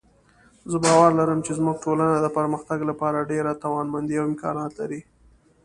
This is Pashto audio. زه باور لرم چې زموږ ټولنه د پرمختګ لپاره ډېره توانمندۍ او امکانات لري